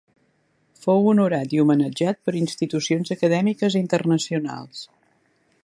Fou honorat i homenatjat per institucions acadèmiques internacionals.